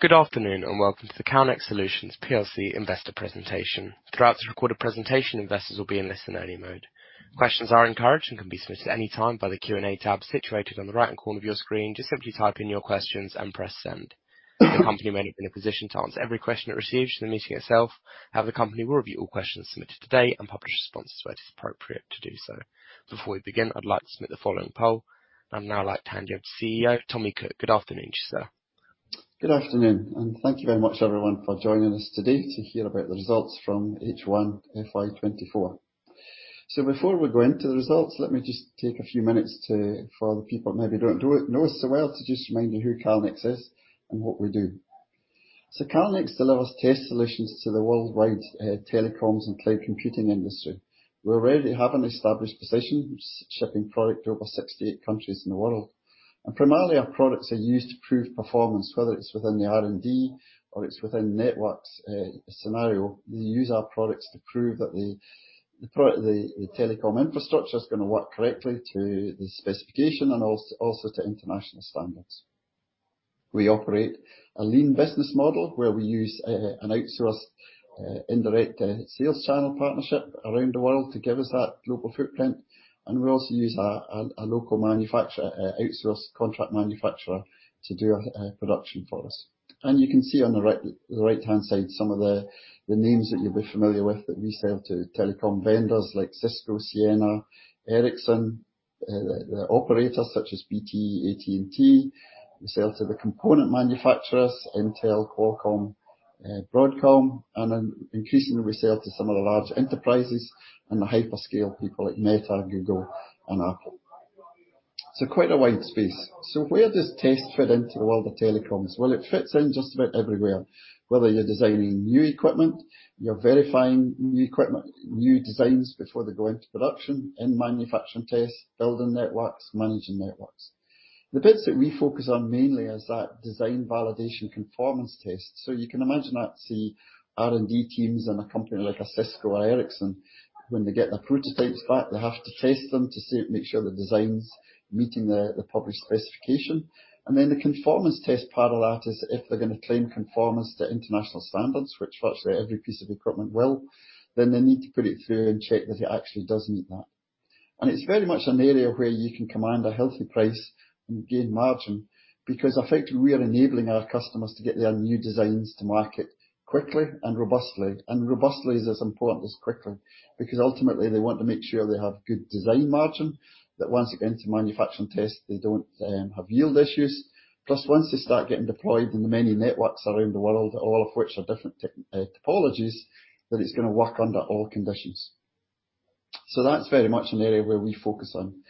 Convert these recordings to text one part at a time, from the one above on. Good afternoon, and welcome to the Calnex Solutions plc Investor Presentation. Throughout this recorded presentation, investors will be in listen only mode. Questions are encouraged and can be submitted at any time by the Q&A tab situated on the right-hand corner of your screen. Just simply type in your questions and press Send. The company may not be in a position to answer every question it receives during the meeting itself, however, the company will review all questions submitted today and publish responses where it is appropriate to do so. Before we begin, I'd like to submit the following poll. I'd now like to hand you over to CEO Tommy Cook. Good afternoon, sir. Good afternoon, and thank you very much, everyone, for joining us today to hear about the results from H1 FY 2024. Before we go into the results, let me just take a few minutes to—for the people that maybe don't know us so well—to just remind you who Calnex is and what we do. Calnex delivers test solutions to the worldwide telecoms and cloud computing industry. We already have an established position, shipping product to over 68 countries in the world, and primarily, our products are used to prove performance, whether it's within the R&D or it's within networks scenario. We use our products to prove that the telecom infrastructure is gonna work correctly to the specification and also to international standards. We operate a lean business model, where we use an outsourced indirect sales channel partnership around the world to give us that global footprint, and we also use a local manufacturer, outsourced contract manufacturer to do our production for us. And you can see on the right, the right-hand side, some of the names that you'll be familiar with, that we sell to telecom vendors like Cisco, Ciena, Ericsson, the operators such as BT, AT&T. We sell to the component manufacturers, Intel, Qualcomm, Broadcom, and then increasingly, we sell to some of the large enterprises and the hyperscale people like Meta, Google, and Apple. So quite a wide space. So where does test fit into the world of telecoms? Well, it fits in just about everywhere. Whether you're designing new equipment, you're verifying new equipment, new designs before they go into production, in manufacturing tests, building networks, managing networks. The bits that we focus on mainly is that design, validation, conformance test. So you can imagine that the R&D teams in a company like a Cisco or Ericsson, when they get their prototypes back, they have to test them to see, make sure the design's meeting the, the published specification. And then the conformance test part of that is if they're gonna claim conformance to international standards, which virtually every piece of equipment will, then they need to put it through and check that it actually does meet that. And it's very much an area where you can command a healthy price and gain margin, because effectively, we are enabling our customers to get their new designs to market quickly and robustly. Robustly is as important as quickly, because ultimately they want to make sure they have good design margin, that once it gets to manufacturing test, they don't have yield issues. Plus, once they start getting deployed in the many networks around the world, all of which are different tech topologies, that it's gonna work under all conditions. That's very much an area where we focus on.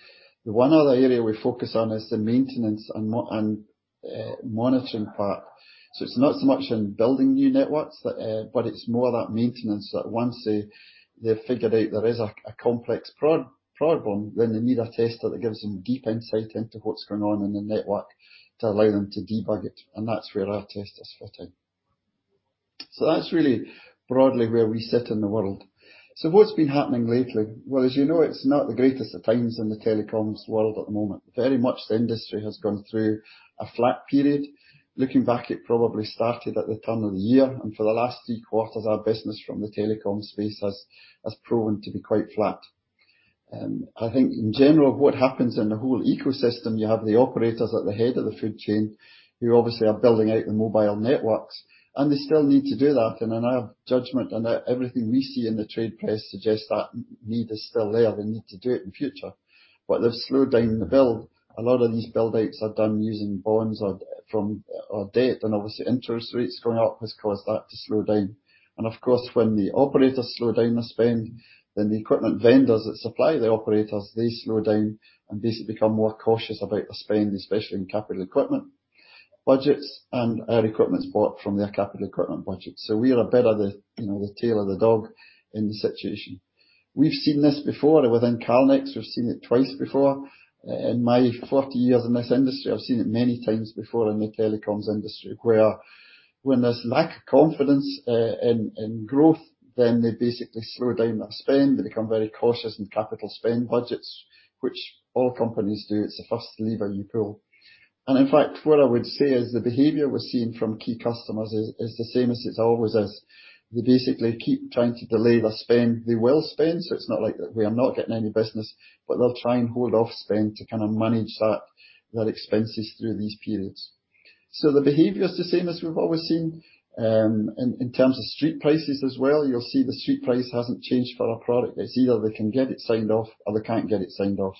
The one other area we focus on is the maintenance and monitoring part. It's not so much in building new networks, but it's more that maintenance, that once they've figured out there is a complex problem, then they need a tester that gives them deep insight into what's going on in the network, to allow them to debug it, and that's where our testers fit in. So that's really broadly where we sit in the world. So what's been happening lately? Well, as you know, it's not the greatest of times in the telecoms world at the moment. Very much, the industry has gone through a flat period. Looking back, it probably started at the turn of the year, and for the last three quarters, our business from the telecom space has proven to be quite flat. I think in general, what happens in the whole ecosystem, you have the operators at the head of the food chain, who obviously are building out the mobile networks, and they still need to do that, and in our judgment, and everything we see in the trade press suggests that need is still there. They need to do it in future, but they've slowed down the build. A lot of these build outs are done using bonds or from, or debt, and obviously, interest rates going up has caused that to slow down. And of course, when the operators slow down the spend, then the equipment vendors that supply the operators, they slow down and basically become more cautious about the spend, especially in capital equipment, budgets and, equipment bought from their capital equipment budget. So we are a bit of the, you know, the tail of the dog in this situation. We've seen this before within Calnex. We've seen it twice before. In my 40 years in this industry, I've seen it many times before in the telecoms industry, where when there's lack of confidence in growth, then they basically slow down that spend. They become very cautious in capital spend budgets, which all companies do. It's the first lever you pull. In fact, what I would say is the behavior we're seeing from key customers is the same as it's always is. They basically keep trying to delay their spend. They will spend, so it's not like we are not getting any business, but they'll try and hold off spend to kind of manage that, their expenses through these periods. So the behavior is the same as we've always seen. In terms of street prices as well, you'll see the street price hasn't changed for our product. It's either they can get it signed off or they can't get it signed off.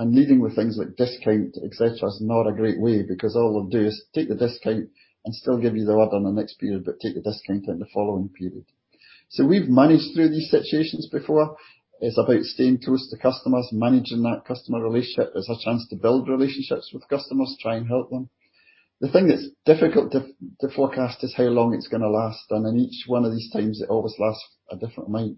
And leading with things like discount, et cetera, is not a great way, because all they'll do is take the discount and still give you the order in the next period, but take the discount in the following period. So we've managed through these situations before. It's about staying close to customers, managing that customer relationship. There's a chance to build relationships with customers, try and help them. The thing that's difficult to forecast is how long it's gonna last, and in each one of these times, it always lasts a different amount.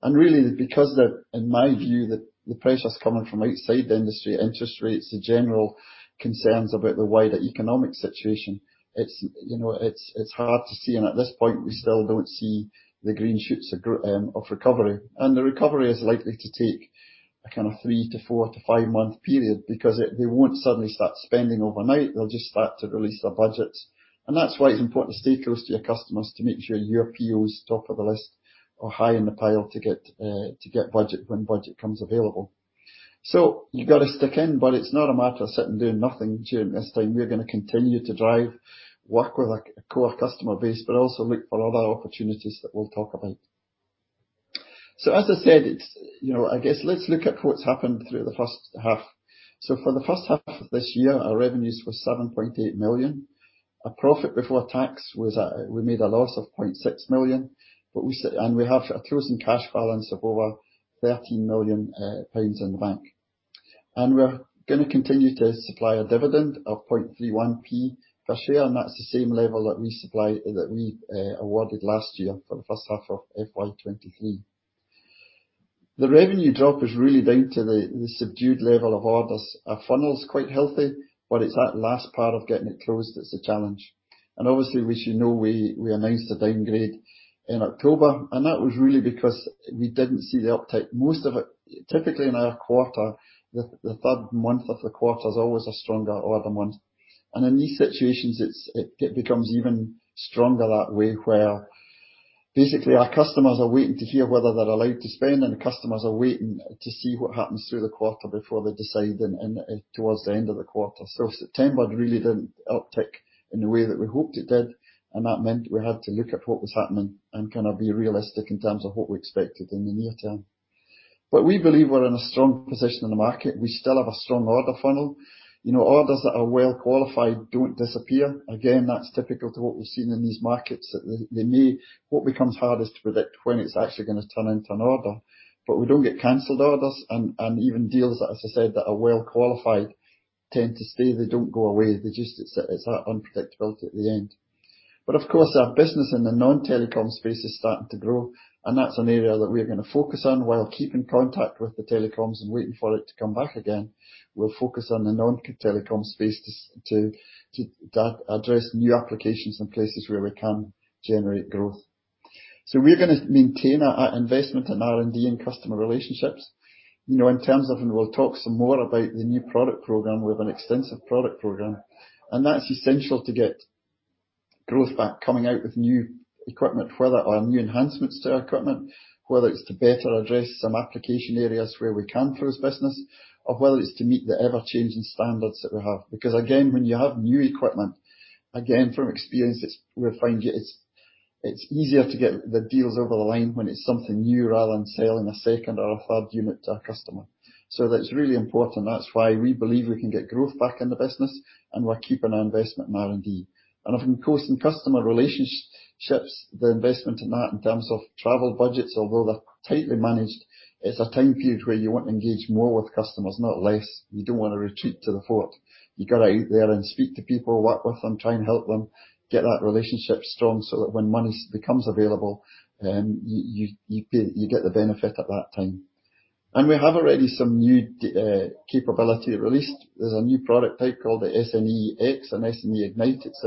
And really, because in my view, the pressure's coming from outside the industry, interest rates, the general concerns about the wider economic situation, you know, it's hard to see, and at this point, we still don't see the green shoots of recovery. And the recovery is likely to take a kind of three to four to five-month period, because they won't suddenly start spending overnight. They'll just start to release their budgets. That's why it's important to stay close to your customers, to make sure your PO is top of the list... or high in the pile to get, to get budget when budget comes available. So you've got to stick in, but it's not a matter of sitting, doing nothing during this time. We're gonna continue to drive, work with a, a core customer base, but also look for other opportunities that we'll talk about. So as I said, it's, you know, I guess let's look at what's happened through the first half. So for the first half of this year, our revenues were 7.8 million. Our profit before tax was at. We made a loss of 0.6 million, but And we have a chosen cash balance of over 13 million pounds in the bank. We're gonna continue to supply a dividend of 0.31p per share, and that's the same level that we supply, that we awarded last year for the first half of FY 2023. The revenue drop is really down to the subdued level of orders. Our funnel is quite healthy, but it's that last part of getting it closed that's a challenge. And obviously, we should know, we announced a downgrade in October, and that was really because we didn't see the uptick. Most of it. Typically in our quarter, the third month of the quarter is always a stronger order month. In these situations, it becomes even stronger that way, where basically our customers are waiting to hear whether they're allowed to spend, and the customers are waiting to see what happens through the quarter before they decide, and towards the end of the quarter. So September really didn't uptick in the way that we hoped it did, and that meant we had to look at what was happening and kind of be realistic in terms of what we expected in the near term. But we believe we're in a strong position in the market. We still have a strong order funnel. You know, orders that are well qualified don't disappear. Again, that's typical to what we've seen in these markets, that they may. What becomes hardest to predict when it's actually gonna turn into an order. But we don't get canceled orders, and even deals, as I said, that are well qualified, tend to stay. They don't go away. They just... It's that unpredictability at the end. But of course, our business in the non-telecom space is starting to grow, and that's an area that we are gonna focus on while keeping contact with the telecoms and waiting for it to come back again. We'll focus on the non-telecom space to address new applications and places where we can generate growth. So we're gonna maintain our investment in R&D and customer relationships. You know, in terms of... And we'll talk some more about the new product program. We have an extensive product program, and that's essential to get growth back, coming out with new equipment, whether our new enhancements to our equipment, whether it's to better address some application areas where we can for this business, or whether it's to meet the ever-changing standards that we have. Because again, when you have new equipment, again, from experience, we find it's easier to get the deals over the line when it's something new, rather than selling a second or a third unit to our customer. So that's really important. That's why we believe we can get growth back in the business, and we're keeping our investment in R&D. And of course, in customer relationships, the investment in that in terms of travel budgets, although they're tightly managed, it's a time period where you want to engage more with customers, not less. You don't want to retreat to the fort. You got to get out there and speak to people, work with them, try and help them get that relationship strong, so that when money becomes available, you get the benefit at that time. We have already some new capability released. There's a new product out called the SNE-X and SNE Ignite. It's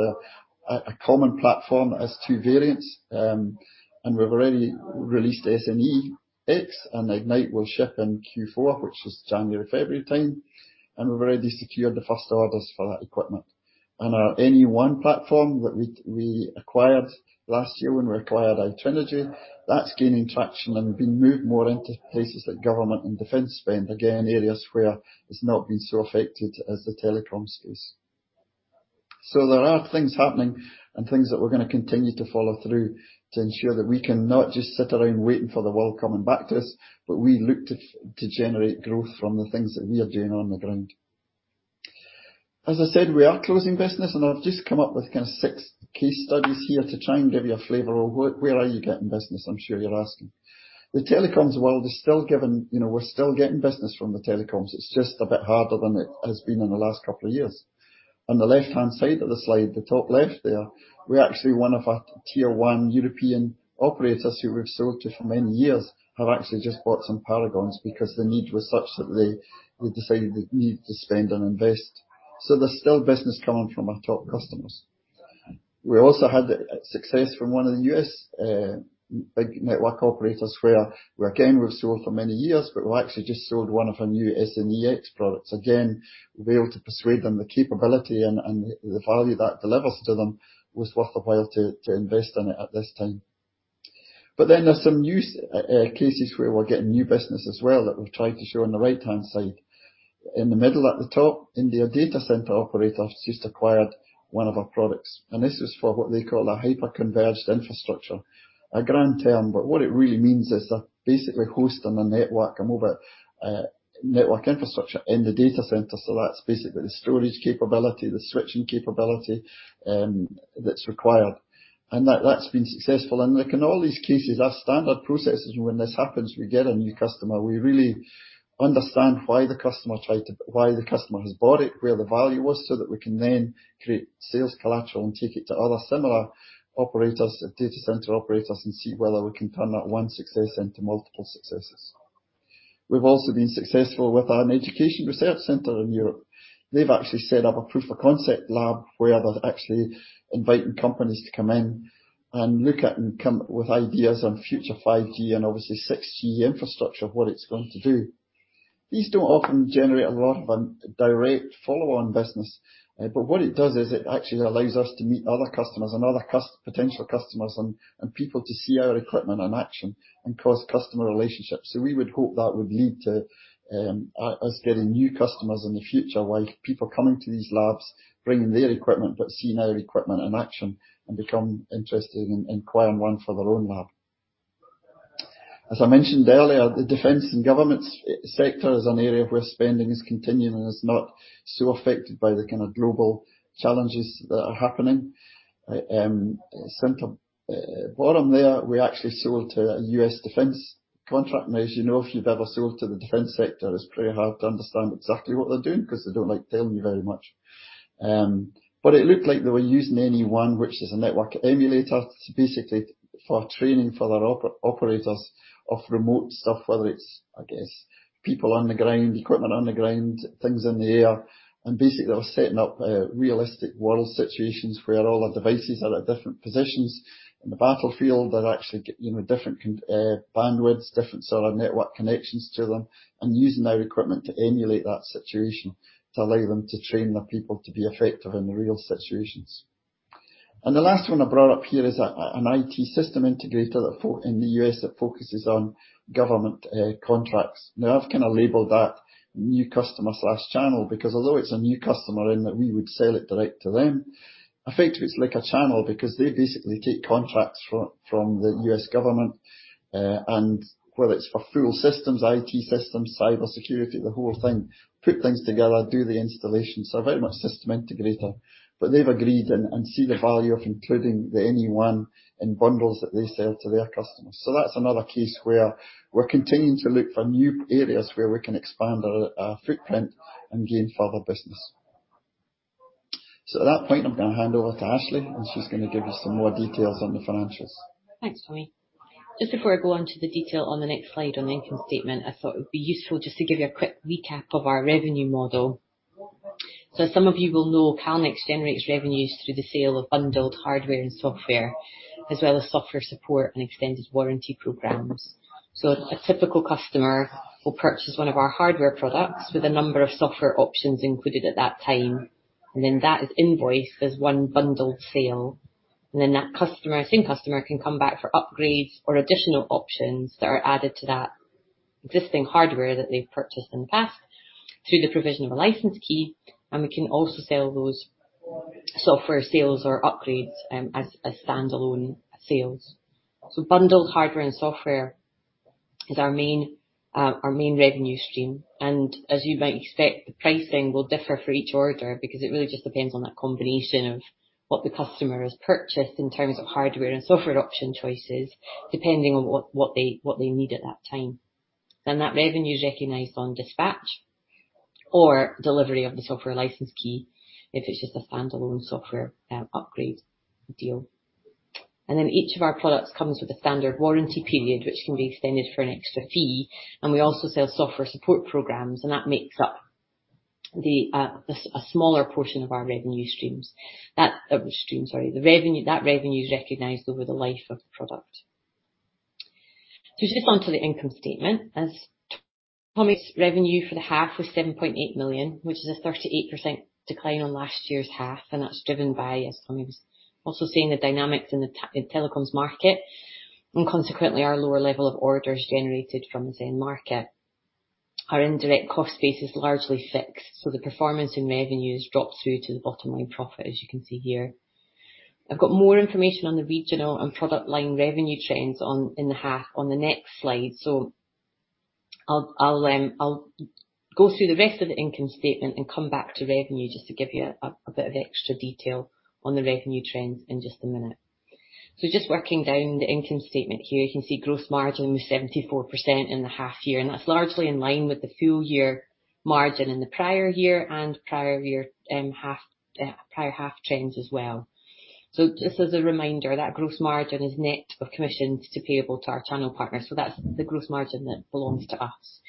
a common platform that has two variants, and we've already released SNE-X, and Ignite will ship in Q4, which is January, February time, and we've already secured the first orders for that equipment. Our NE-ONE platform that we acquired last year when we acquired iTrinegy, that's gaining traction and being moved more into places like government and defense spend. Again, areas where it's not been so affected as the telecom space. So there are things happening and things that we're gonna continue to follow through to ensure that we can not just sit around waiting for the world coming back to us, but we look to, to generate growth from the things that we are doing on the ground. As I said, we are closing business, and I've just come up with kind of six case studies here to try and give you a flavor of where, where are you getting business? I'm sure you're asking. The telecoms world is still giving... You know, we're still getting business from the telecoms. It's just a bit harder than it has been in the last couple of years. On the left-hand side of the slide, the top left there, we actually, one of our tier one European operators, who we've sold to for many years, have actually just bought some Paragons because the need was such that they, they decided they need to spend and invest. So there's still business coming from our top customers. We also had success from one of the U.S. big network operators, where again, we've sold for many years, but we actually just sold one of our new SNE-X products. Again, we were able to persuade them the capability and the value that delivers to them was worthwhile to invest in it at this time. But then there's some new cases where we're getting new business as well that we've tried to show on the right-hand side. In the middle at the top, India Data Center operator just acquired one of our products, and this is for what they call a hyperconverged infrastructure. A grand term, but what it really means is, basically hosting a network, a mobile network infrastructure in the data center. So that's basically the storage capability, the switching capability that's required. And that, that's been successful. And look, in all these cases, our standard processes, when this happens, we get a new customer, we really understand why the customer tried to-- why the customer has bought it, where the value was, so that we can then create sales collateral and take it to other similar operators and data center operators and see whether we can turn that one success into multiple successes. We've also been successful with an education research center in Europe. They've actually set up a proof of concept lab where they're actually inviting companies to come in and look at and come up with ideas on future 5G and obviously 6G infrastructure, what it's going to do.... These don't often generate a lot of direct follow-on business, but what it does is it actually allows us to meet other customers and other potential customers and people to see our equipment in action and cause customer relationships. So we would hope that would lead to us getting new customers in the future, while people coming to these labs, bringing their equipment, but seeing our equipment in action and become interested in inquiring one for their own lab. As I mentioned earlier, the defense and government sector is an area where spending is continuing and is not so affected by the kind of global challenges that are happening. Bottom there, we actually sold to a U.S. defense contract. Now, as you know, if you've ever sold to the defense sector, it's pretty hard to understand exactly what they're doing because they don't like telling you very much. But it looked like they were using NE-ONE, which is a network emulator, basically for training for their operators of remote stuff, whether it's, I guess, people on the ground, equipment on the ground, things in the air. Basically, they were setting up realistic world situations where all the devices are at different positions in the battlefield, that actually get, you know, different bandwidths, different sort of network connections to them, and using our equipment to emulate that situation, to allow them to train their people to be effective in the real situations. The last one I brought up here is an IT system integrator in the U.S., that focuses on government contracts. Now, I've kind of labeled that new customer/channel, because although it's a new customer in that we would sell it direct to them, effectively, it's like a channel because they basically take contracts from the U.S. government, and whether it's for full systems, IT systems, cybersecurity, the whole thing, put things together, do the installation. So very much system integrator, but they've agreed and, and see the value of including the NE-ONE in bundles that they sell to their customers. So that's another case where we're continuing to look for new areas where we can expand our, our footprint and gain further business. So at that point, I'm gonna hand over to Ashleigh, and she's gonna give you some more details on the financials. Thanks, Tommy. Just before I go on to the detail on the next slide on the income statement, I thought it would be useful just to give you a quick recap of our revenue model. So some of you will know Calnex generates revenues through the sale of bundled hardware and software, as well as software support and extended warranty programs. So a typical customer will purchase one of our hardware products with a number of software options included at that time, and then that is invoiced as one bundled sale. And then that customer, same customer, can come back for upgrades or additional options that are added to that existing hardware that they've purchased in the past, through the provision of a license key, and we can also sell those software sales or upgrades as standalone sales. So bundled hardware and software is our main, our main revenue stream, and as you might expect, the pricing will differ for each order because it really just depends on that combination of what the customer has purchased in terms of hardware and software option choices, depending on what they need at that time. Then that revenue is recognized on dispatch or delivery of the software license key, if it's just a standalone software upgrade deal. And then each of our products comes with a standard warranty period, which can be extended for an extra fee, and we also sell software support programs, and that makes up a smaller portion of our revenue streams. That revenue is recognized over the life of the product. So just onto the income statement, as Tommy's revenue for the half was 7.8 million, which is a 38% decline on last year's half, and that's driven by, as Tommy was also saying, the dynamics in the telecoms market, and consequently, our lower level of orders generated from the same market. Our indirect cost base is largely fixed, so the performance in revenues drops through to the bottom line profit, as you can see here. I've got more information on the regional and product line revenue trends for the half on the next slide. So I'll go through the rest of the income statement and come back to revenue just to give you a bit of extra detail on the revenue trends in just a minute. So just working down the income statement here, you can see gross margin was 74% in the half year, and that's largely in line with the full year margin in the prior year and prior year half, prior half trends as well. So just as a reminder, that gross margin is net of commissions payable to our channel partners, so that's the gross margin that belongs to us.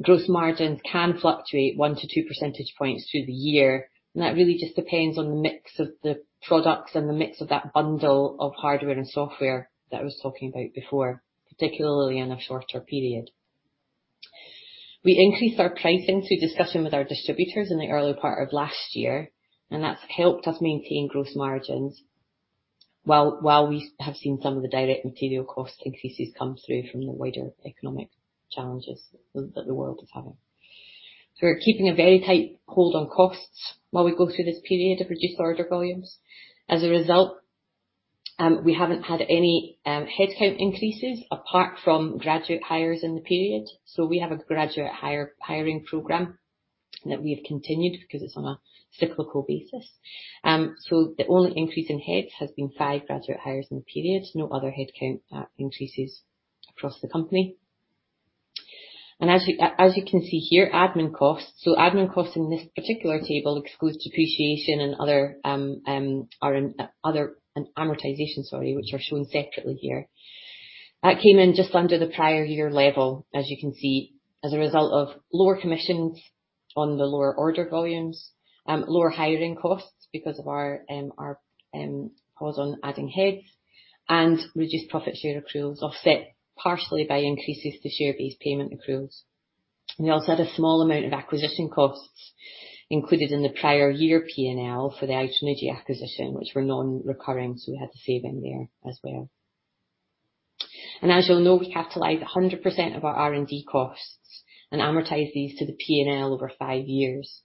Gross margins can fluctuate 1-2 percentage points through the year, and that really just depends on the mix of the products and the mix of that bundle of hardware and software that I was talking about before, particularly in a shorter period. We increased our pricing through discussion with our distributors in the early part of last year, and that's helped us maintain gross margins, while we have seen some of the direct material cost increases come through from the wider economic challenges that the world is having. So we're keeping a very tight hold on costs while we go through this period of reduced order volumes. As a result, we haven't had any headcount increases apart from graduate hires in the period. So we have a graduate hiring program that we have continued because it's on a cyclical basis. So the only increase in heads has been five graduate hires in the period, no other headcount increases across the company. And as you can see here, admin costs. So admin costs in this particular table excludes depreciation and other other... amortization, sorry, which are shown separately here. That came in just under the prior year level, as you can see, as a result of lower commissions on the lower order volumes, lower hiring costs because of our pause on adding heads, and reduced profit share accruals, offset partially by increases to share-based payment accruals. We also had a small amount of acquisition costs included in the prior year P&L for the iTrinegy acquisition, which were non-recurring, so we had the saving there as well. As you'll know, we capitalize 100% of our R&D costs and amortize these to the P&L over five years.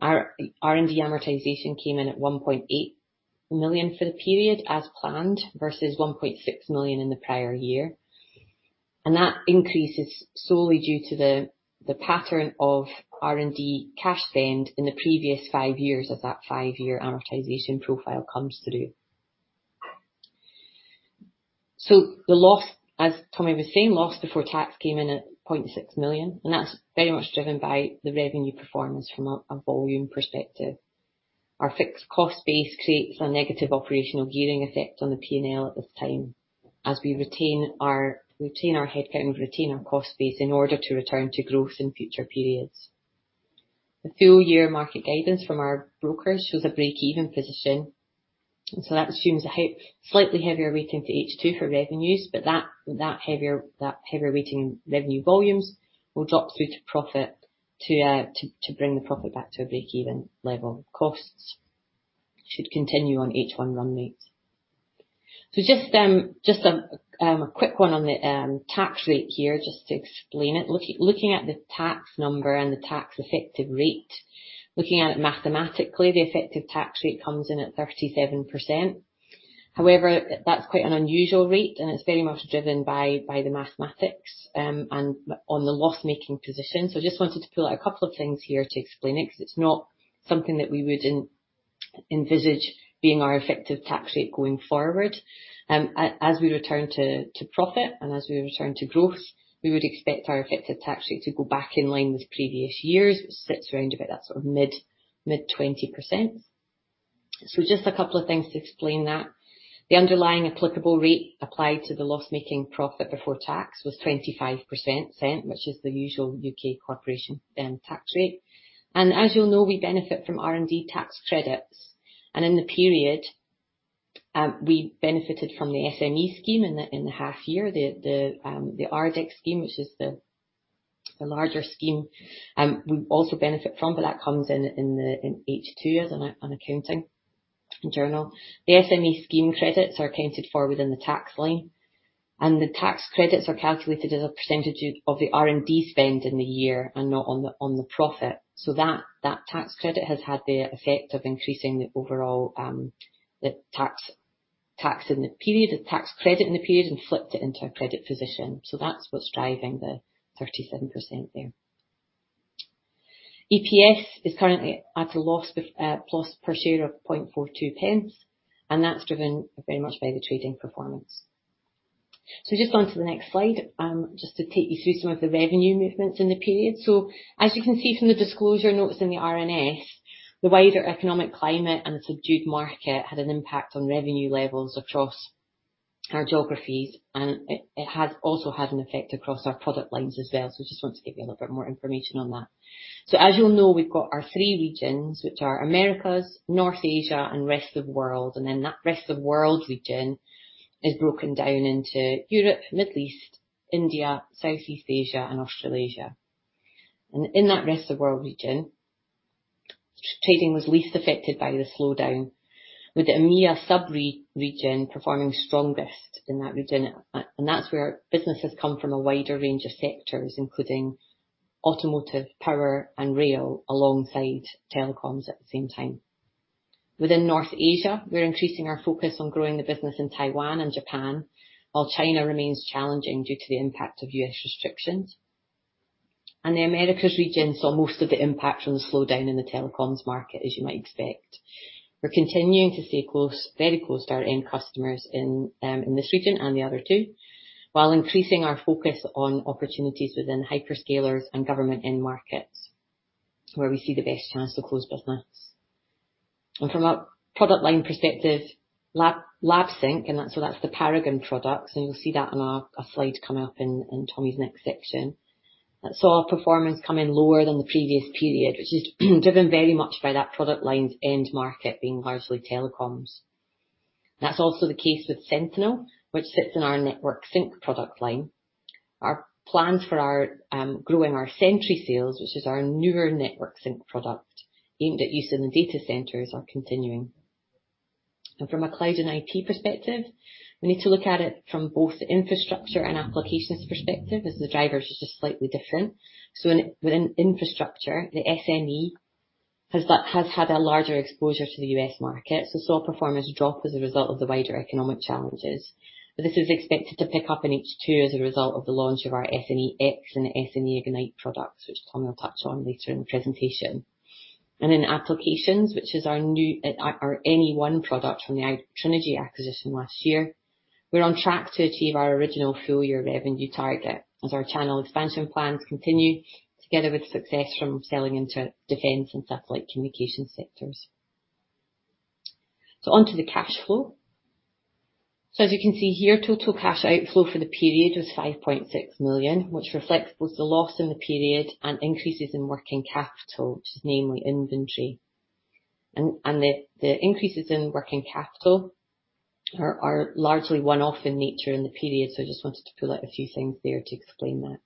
Our R&D amortization came in at 1.8 million for the period as planned, versus 1.6 million in the prior year, and that increase is solely due to the pattern of R&D cash spend in the previous five years of that five-year amortization profile comes through. So the loss, as Tommy was saying, loss before tax came in at 0.6 million, and that's very much driven by the revenue performance from a volume perspective. Our fixed cost base creates a negative operational gearing effect on the P&L at this time, as we retain our headcount and retain our cost base in order to return to growth in future periods. The full year market guidance from our brokers shows a break-even position, and so that assumes a slightly heavier weighting to H2 for revenues, but that heavier weighting in revenue volumes will drop through to profit to bring the profit back to a break-even level. Costs should continue on H1 run rates. So just a quick one on the tax rate here, just to explain it. Looking at the tax number and the tax effective rate, looking at it mathematically, the effective tax rate comes in at 37%. However, that's quite an unusual rate, and it's very much driven by the mathematics and on the loss-making position. So just wanted to pull out a couple of things here to explain it, 'cause it's not something that we would envisage being our effective tax rate going forward. As we return to profit and as we return to growth, we would expect our effective tax rate to go back in line with previous years. It sits around about that sort of mid-20%. So just a couple of things to explain that. The underlying applicable rate applied to the loss-making profit before tax was 25%, which is the usual U.K. corporation tax rate, and as you'll know, we benefit from R&D tax credits. And in the period, we benefited from the SME scheme in the half year. The RDEC scheme, which is the larger scheme, we also benefit from, but that comes in H2 as an accounting journal. The SME scheme credits are accounted for within the tax line, and the tax credits are calculated as a percentage of the R&D spend in the year and not on the profit. So that tax credit has had the effect of increasing the overall tax credit in the period, and flipped it into a credit position. So that's what's driving the 37% there. EPS is currently at a loss per share of 0.42, and that's driven very much by the trading performance. Just on to the next slide, just to take you through some of the revenue movements in the period. As you can see from the disclosure notes in the RNS, the wider economic climate and the subdued market had an impact on revenue levels across our geographies, and it, it has also had an effect across our product lines as well. Just want to give you a little bit more information on that. As you'll know, we've got our three regions, which are Americas, North Asia, and Rest of World, and then that Rest of World region is broken down into Europe, Middle East, India, Southeast Asia and Australasia. In that Rest of World region, trading was least affected by the slowdown, with the EMEA sub-region performing strongest in that region. That's where businesses come from a wider range of sectors, including automotive, power, and rail, alongside telecoms at the same time. Within North Asia, we're increasing our focus on growing the business in Taiwan and Japan, while China remains challenging due to the impact of U.S. restrictions. The Americas region saw most of the impact from the slowdown in the telecoms market, as you might expect. We're continuing to stay close, very close to our end customers in this region and the other two, while increasing our focus on opportunities within hyperscalers and government end markets, where we see the best chance to close business. From a product line perspective, LabSync, and that's, so that's the Paragon products, and you'll see that on a slide coming up in Tommy's next section. That saw performance come in lower than the previous period, which is driven very much by that product line's end market being largely telecoms. That's also the case with Sentinel, which sits in our Network Sync product line. Our plans for growing our Sentry sales, which is our newer Network Sync product aimed at use in the data centers, are continuing. From a cloud and IT perspective, we need to look at it from both the infrastructure and applications perspective, as the drivers are just slightly different. Within infrastructure, the SNE has had a larger exposure to the U.S. market, so saw performance drop as a result of the wider economic challenges. But this is expected to pick up in H2 as a result of the launch of our SNE-X and SNE Ignite products, which Tommy will touch on later in the presentation. And in applications, which is our new, our NE-ONE product from the iTrinegy acquisition last year, we're on track to achieve our original full year revenue target as our channel expansion plans continue, together with success from selling into defense and satellite communication sectors. So on to the cash flow. So as you can see here, total cash outflow for the period was 5.6 million, which reflects both the loss in the period and increases in working capital, which is namely inventory. And the increases in working capital are largely one-off in nature in the period, so I just wanted to pull out a few things there to explain that.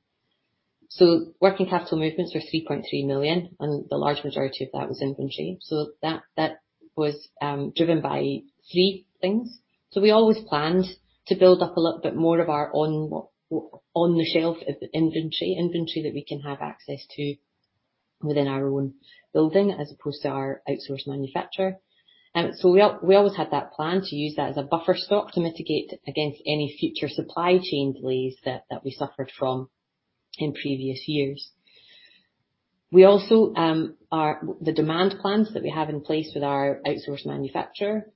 So working capital movements were 3.3 million, and the large majority of that was inventory, so that, that was driven by three things. So we always planned to build up a little bit more of our on the shelf inventory, inventory that we can have access to within our own building, as opposed to our outsourced manufacturer. So we always had that plan to use that as a buffer stock to mitigate against any future supply chain delays that, that we suffered from in previous years. We also are... The demand plans that we have in place with our outsourced manufacturer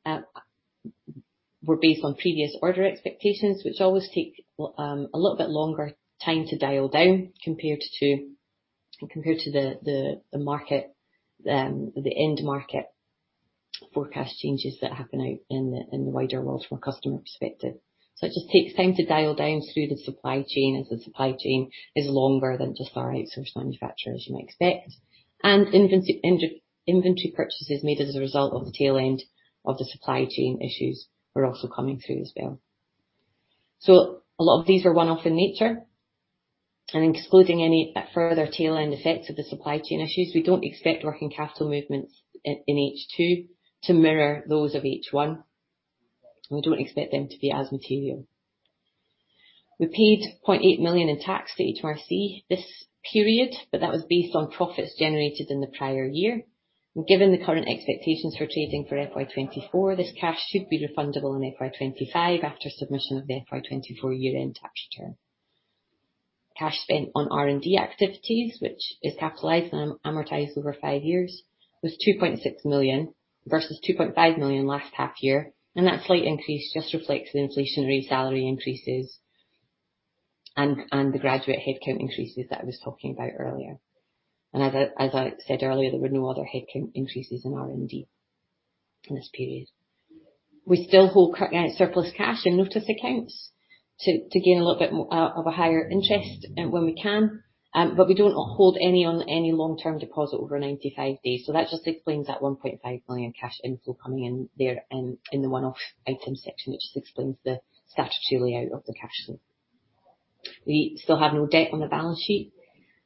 were based on previous order expectations, which always take a little bit longer time to dial down compared to the market, the end market forecast changes that happen out in the wider world from a customer perspective. So it just takes time to dial down through the supply chain, as the supply chain is longer than just our outsourced manufacturer, as you might expect. And inventory purchases made as a result of the tail end of the supply chain issues are also coming through as well. So a lot of these are one-off in nature, and excluding any further tail end effects of the supply chain issues, we don't expect working capital movements in H2 to mirror those of H1, and we don't expect them to be as material. We paid 0.8 million in tax to HMRC this period, but that was based on profits generated in the prior year. And given the current expectations for trading for FY 2024, this cash should be refundable in FY 2025 after submission of the FY 2024 year-end tax return. Cash spent on R&D activities, which is capitalized and amortized over five years, was 2.6 million versus 2.5 million last half year, and that slight increase just reflects the inflationary salary increases and the graduate headcount increases that I was talking about earlier. As I said earlier, there were no other headcount increases in R&D in this period. We still hold surplus cash in notice accounts to gain a little bit of a higher interest when we can, but we don't hold any on any long-term deposit over 95 days. So that just explains that 1.5 million cash inflow coming in there in the one-off item section, which just explains the statutory layout of the cash flow. We still have no debt on the balance sheet,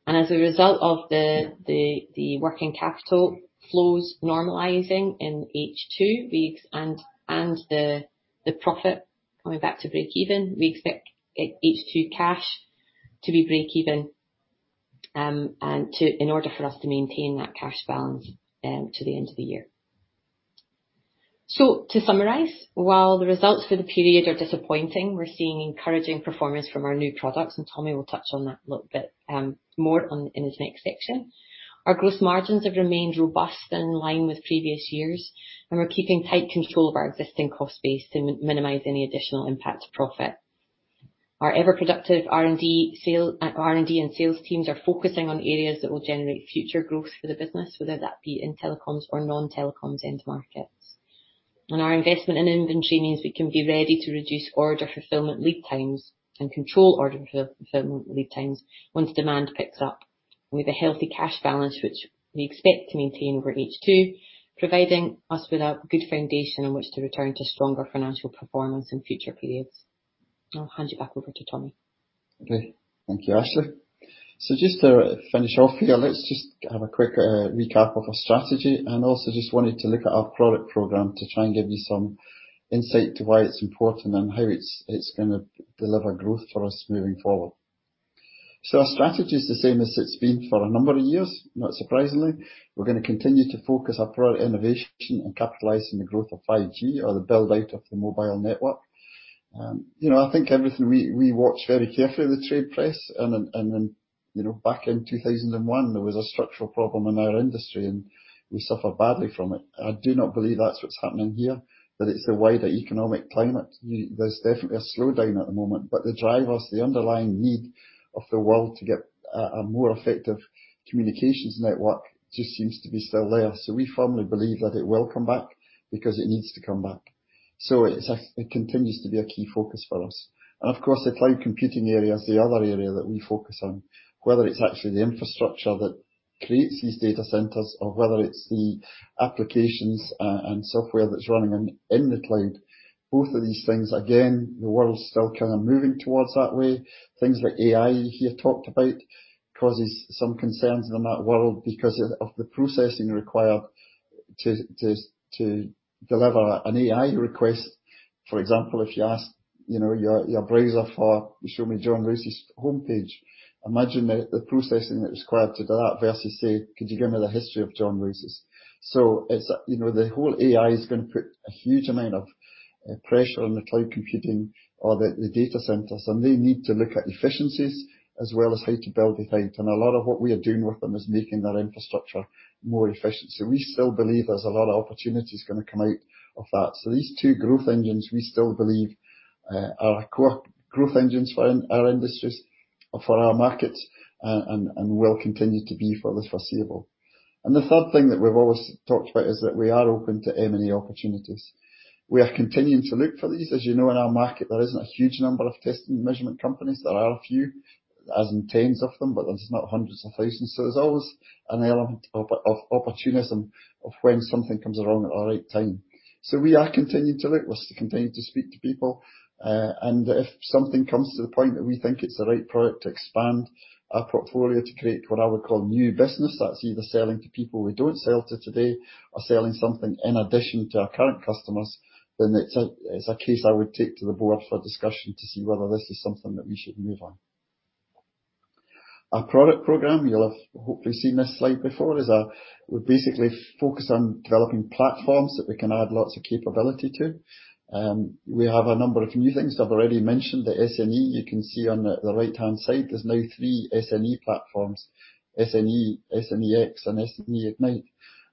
and as a result of the working capital flows normalizing in H2, and the profit coming back to breakeven, we expect H2 cash to be breakeven, and in order for us to maintain that cash balance to the end of the year. To summarize, while the results for the period are disappointing, we're seeing encouraging performance from our new products, and Tommy will touch on that a little bit in his next section. Our gross margins have remained robust and in line with previous years, and we're keeping tight control of our existing cost base to minimize any additional impact to profit. Our ever productive R&D and sales teams are focusing on areas that will generate future growth for the business, whether that be in telecoms or non-telecoms end markets. Our investment in inventory means we can be ready to reduce order fulfillment lead times and control order fulfillment lead times once demand picks up. We have a healthy cash balance, which we expect to maintain over H2, providing us with a good foundation on which to return to stronger financial performance in future periods. I'll hand you back over to Tommy. Okay. Thank you, Ashleigh. So just to finish off here, let's just have a quick recap of our strategy, and also just wanted to look at our product program to try and give you some insight to why it's important and how it's gonna deliver growth for us moving forward. So our strategy is the same as it's been for a number of years, not surprisingly. We're gonna continue to focus our product innovation on capitalizing the growth of 5G or the build-out of the mobile network. You know, I think everything... We watch very carefully the trade press, and then, you know, back in 2001, there was a structural problem in our industry, and we suffered badly from it. I do not believe that's what's happening here, that it's the wider economic climate. There's definitely a slowdown at the moment, but the drivers, the underlying need of the world to get a more effective communications network just seems to be still there. So we firmly believe that it will come back because it needs to come back. So it's a—it continues to be a key focus for us. And of course, the cloud computing area is the other area that we focus on, whether it's actually the infrastructure that creates these data centers or whether it's the applications and software that's running in the cloud. Both of these things, again, the world's still kind of moving towards that way. Things like AI, you talked about, causes some concerns in that world because of the processing required to deliver an AI request. For example, if you ask, you know, your browser for, "Show me John Lewis's homepage," imagine the processing that is required to do that versus say, "Could you give me the history of John Lewis?" So it's, you know, the whole AI is going to put a huge amount of pressure on the cloud computing or the data centers, and they need to look at efficiencies as well as how to build it out. And a lot of what we are doing with them is making that infrastructure more efficient. So we still believe there's a lot of opportunities gonna come out of that. So these two growth engines, we still believe, are core growth engines for in our industries or for our markets, and will continue to be for the foreseeable future. The third thing that we've always talked about is that we are open to M&A opportunities. We are continuing to look for these. As you know, in our market, there isn't a huge number of test and measurement companies. There are a few, as in tens of them, but there's not hundreds of thousands. So there's always an element of opportunism when something comes along at the right time. So we are continuing to look, we're continuing to speak to people, and if something comes to the point that we think it's the right product to expand our portfolio to create what I would call new business, that's either selling to people we don't sell to today or selling something in addition to our current customers, then it's a, it's a case I would take to the board for discussion to see whether this is something that we should move on. Our product program, you'll have hopefully seen this slide before, is, we basically focus on developing platforms that we can add lots of capability to. We have a number of new things. I've already mentioned the SNE. You can see on the, the right-hand side, there's now three SNE platforms: SNE, SNE-X, and SNE Ignite.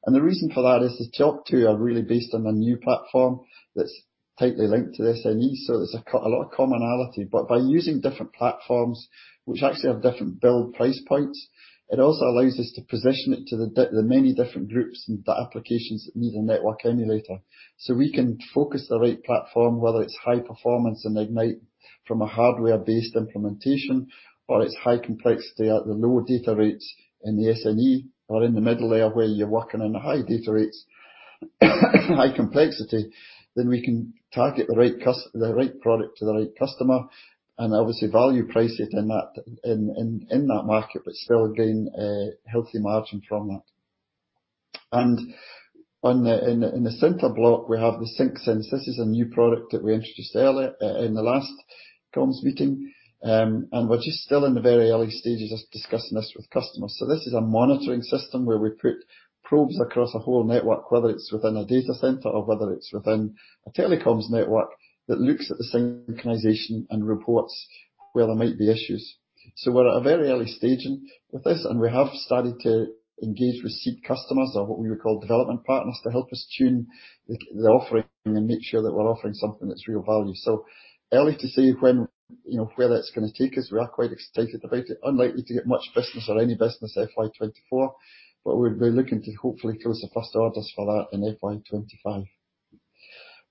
And the reason for that is the top two are really based on a new platform that's tightly linked to the SNE, so there's a lot of commonality. But by using different platforms, which actually have different build price points, it also allows us to position it to the many different groups and the applications that need a network emulator. So we can focus the right platform, whether it's high performance and Ignite from a hardware-based implementation, or it's high complexity at the lower data rates in the SNE, or in the middle layer, where you're working on the high data rates, high complexity, then we can target the right product to the right customer, and obviously value price it in that market, but still gain a healthy margin from that. And on the... In the center block, we have the SyncSense. This is a new product that we introduced earlier in the last comms meeting, and we're just still in the very early stages of discussing this with customers. So this is a monitoring system where we put probes across a whole network, whether it's within a data center or whether it's within a telecoms network, that looks at the synchronization and reports where there might be issues. So we're at a very early stage in with this, and we have started to engage with seed customers, or what we would call development partners, to help us tune the offering and make sure that we're offering something that's real value. So early to say when, you know, where that's gonna take us. We are quite excited about it. Unlikely to get much business or any business FY 2024, but we're, we're looking to hopefully close the first orders for that in FY 2025.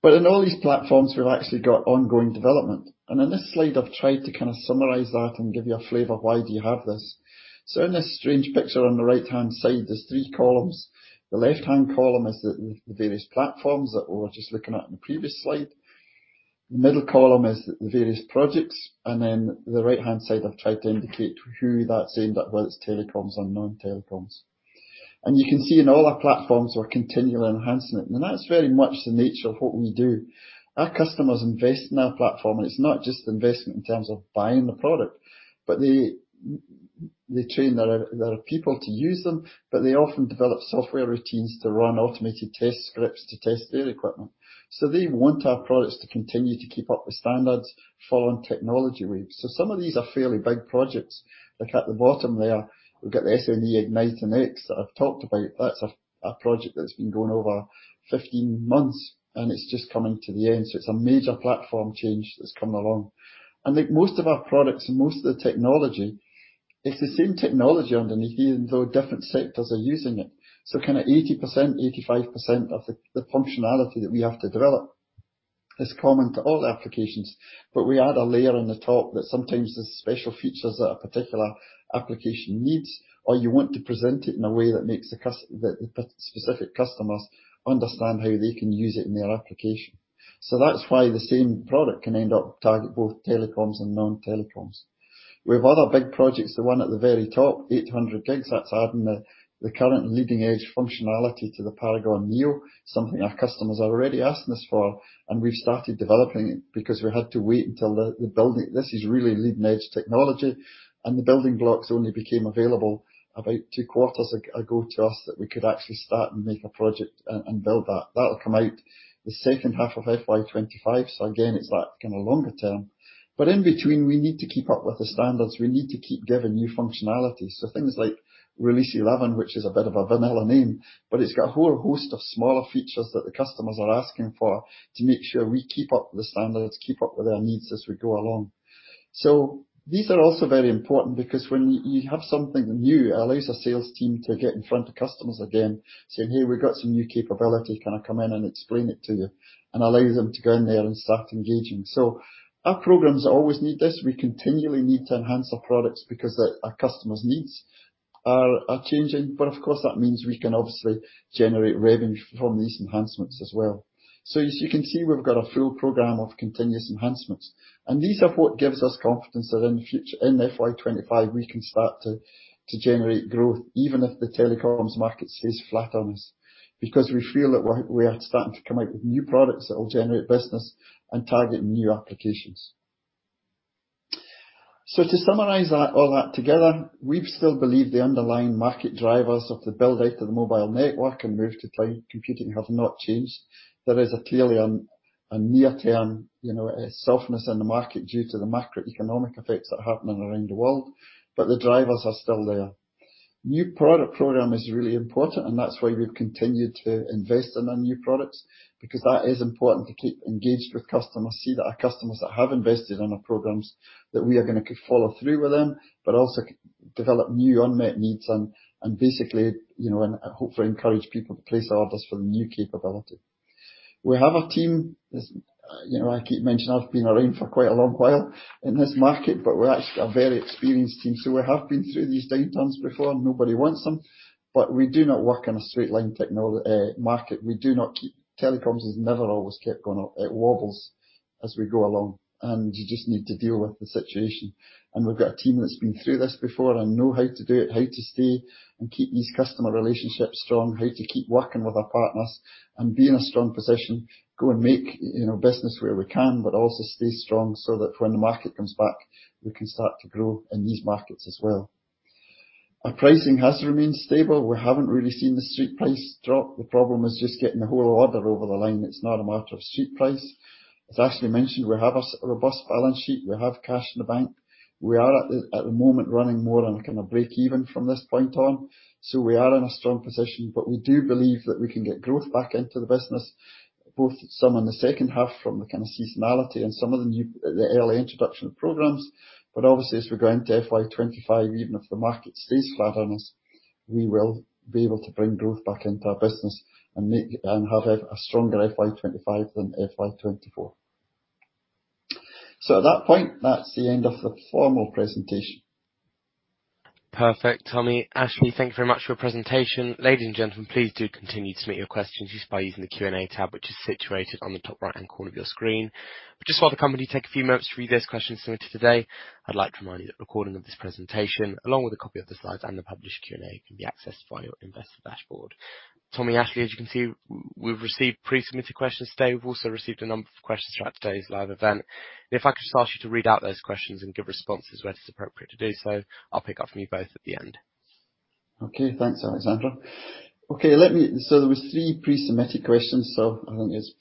But in all these platforms, we've actually got ongoing development, and in this slide, I've tried to kind of summarize that and give you a flavor of why do you have this. So in this strange picture on the right-hand side, there's three columns. The left-hand column is the, the various platforms that we were just looking at in the previous slide. Middle column is the various projects, and then the right-hand side, I've tried to indicate who that's aimed at, whether it's telecoms or non-telecoms. And you can see in all our platforms, we're continually enhancing it, and that's very much the nature of what we do. Our customers invest in our platform, and it's not just investment in terms of buying the product, but they train their people to use them, but they often develop software routines to run automated test scripts to test their equipment. So they want our products to continue to keep up with standards, following technology waves. So some of these are fairly big projects, like at the bottom there, we've got the SNE Ignite and X that I've talked about. That's a project that's been going over 15 months, and it's just coming to the end. So it's a major platform change that's coming along. I think most of our products and most of the technology, it's the same technology underneath, even though different sectors are using it. So kinda 80%, 85% of the functionality that we have to develop is common to all applications, but we add a layer on the top that sometimes there's special features that a particular application needs, or you want to present it in a way that makes the customers understand how they can use it in their application. So that's why the same product can end up targeting both telecoms and non-telecoms. We have other big projects. The one at the very top, 800 gigs, that's adding the current leading-edge functionality to the Paragon-neo, something our customers are already asking us for, and we've started developing it because we had to wait until the building... This is really leading-edge technology, and the building blocks only became available about two quarters ago to us, that we could actually start and make a project and build that. That'll come out the second half of FY 2025, so again, it's that kinda longer term. But in between, we need to keep up with the standards. We need to keep giving new functionalities. So things like Release 11, which is a bit of a vanilla name, but it's got a whole host of smaller features that the customers are asking for to make sure we keep up with the standards, keep up with their needs as we go along. So these are also very important because when you have something new, it allows the sales team to get in front of customers again, saying, "Hey, we've got some new capability. “Can I come in and explain it to you?” and allow them to go in there and start engaging. So our programs always need this. We continually need to enhance our products because our customers' needs are changing, but of course, that means we can obviously generate revenue from these enhancements as well. So as you can see, we've got a full program of continuous enhancements, and these are what gives us confidence that in the future, in FY 2025, we can start to generate growth, even if the telecoms market stays flat on us, because we feel that we are starting to come out with new products that will generate business and target new applications. So to summarize that, all that together, we still believe the underlying market drivers of the build-out of the mobile network and move to cloud computing have not changed. There is clearly a near-term, you know, softness in the market due to the macroeconomic effects that are happening around the world, but the drivers are still there. New product program is really important, and that's why we've continued to invest in our new products, because that is important to keep engaged with customers, see that our customers that have invested in our programs, that we are gonna follow through with them, but also develop new unmet needs and basically, you know, and hopefully encourage people to place orders for the new capability. We have a team, as you know, I keep mentioning, I've been around for quite a long while in this market, but we're actually a very experienced team, so we have been through these downturns before. Nobody wants them, but we do not work in a straight line market. Telecoms has never always kept going up. It wobbles as we go along, and you just need to deal with the situation. We've got a team that's been through this before and know how to do it, how to stay and keep these customer relationships strong, how to keep working with our partners and be in a strong position. Go and make, you know, business where we can, but also stay strong so that when the market comes back, we can start to grow in these markets as well. Our pricing has remained stable. We haven't really seen the street price drop. The problem is just getting the whole order over the line. It's not a matter of street price. As Ashleigh mentioned, we have a robust balance sheet. We have cash in the bank. We are at the, at the moment, running more on a kind of breakeven from this point on. So we are in a strong position, but we do believe that we can get growth back into the business, both some in the second half from the kind of seasonality and some of the new, the early introduction programs. But obviously, as we go into FY 2025, even if the market stays flat on us, we will be able to bring growth back into our business and make and have a, a stronger FY 2025 than FY 2024. So at that point, that's the end of the formal presentation. Perfect, Tommy. Ashleigh, thank you very much for your presentation. Ladies and gentlemen, please do continue to submit your questions just by using the Q&A tab, which is situated on the top right-hand corner of your screen. But just while the company take a few moments to read those questions submitted today, I'd like to remind you that recording of this presentation, along with a copy of the slides and the published Q&A, can be accessed via your investor dashboard. Tommy, Ashleigh, as you can see, we've received pre-submitted questions today. We've also received a number of questions throughout today's live event. If I could just ask you to read out those questions and give responses where it's appropriate to do so, I'll pick up from you both at the end. Okay. Thanks, Alexandra. So there were three pre-submitted questions. So I think it's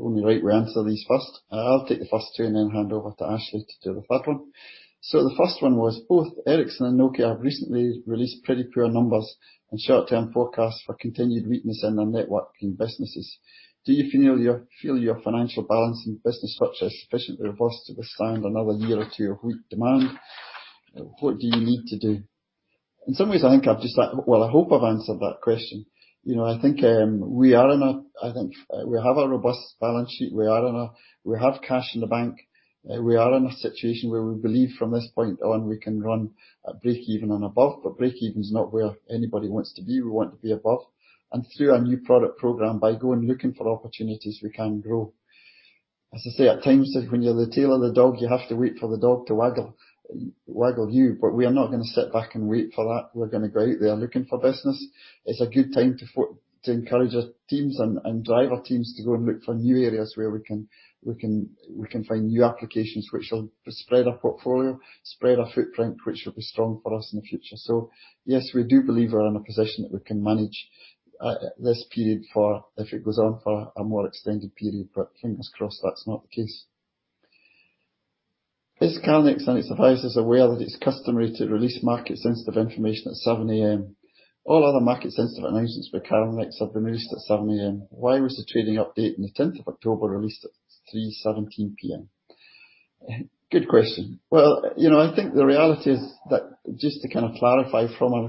only right we answer these first. I'll take the first two and then hand over to Ashleigh to do the third one. So the first one was, both Ericsson and Nokia have recently released pretty poor numbers and short-term forecasts for continued weakness in their networking businesses. Do you feel your financial balance and business structure is sufficiently robust to withstand another year or two of weak demand? What do you need to do? In some ways, I think I've just like well, I hope I've answered that question. You know, I think we are in a. I think we have a robust balance sheet. We are in a. We have cash in the bank. We are in a situation where we believe from this point on, we can run at breakeven and above, but breakeven is not where anybody wants to be. We want to be above, and through our new product program, by going, looking for opportunities, we can grow. As I say, at times, when you're the tail of the dog, you have to wait for the dog to waggle, waggle you, but we are not gonna sit back and wait for that. We're gonna go out there looking for business. It's a good time to encourage our teams and drive our teams to go and look for new areas where we can find new applications which will spread our portfolio, spread our footprint, which will be strong for us in the future. So yes, we do believe we're in a position that we can manage this period if it goes on for a more extended period, but fingers crossed, that's not the case. Is Calnex and its advisors aware that it's customary to release market-sensitive information at 7 A.M.? All other market-sensitive announcements for Calnex have been released at 7 A.M. Why was the trading update on the 10th of October released at 3:17 P.M.? Good question. Well, you know, I think the reality is that just to kind of clarify from a